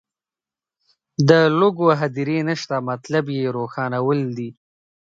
د لوږو هدیرې نشته مطلب یې روښانول دي.